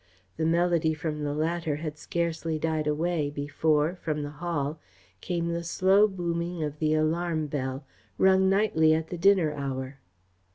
The melody from the latter had scarcely died away before, from the Hall, came the slow booming of the alarm bell, rung nightly at the dinner hour.